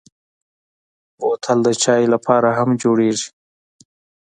بوتل د چايو لپاره هم جوړېږي.